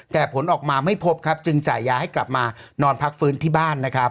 แต่ผลออกมาไม่พบครับจึงจ่ายยาให้กลับมานอนพักฟื้นที่บ้านนะครับ